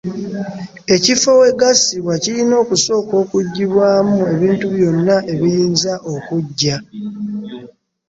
Ekifo we gassibwa kirina okusooka okuggyibwamu ebintu byonna ebiyinza okuggya.